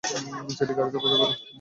JD, গাড়িতে অপেক্ষা করো।